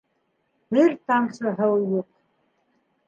Бер тамсы һыу юҡ.